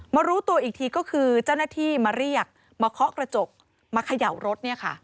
รู้ตัวอีกทีก็คือเจ้าหน้าที่มาเรียกมาเคาะกระจกมาเขย่ารถ